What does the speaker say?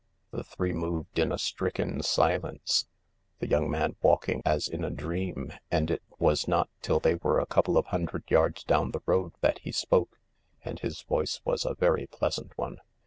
The three moved in a stricken silence, the young man walking as in a dream, and it was not till they were a couple of hundred yards down the road that he spoke, and his voice was a very pleasant one.